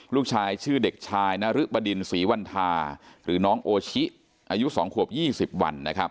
ลูกชายชื่อเด็กชายนรึบดินศรีวันทาหรือน้องโอชิอายุ๒ขวบ๒๐วันนะครับ